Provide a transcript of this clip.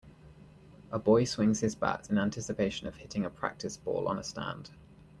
A boy swings his bat in anticipation of hitting a practice ball on a stand.